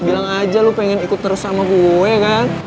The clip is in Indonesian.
bilang aja lo pengen ikut terus sama gue kan